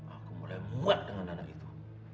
aku mulai muat dengan dana itu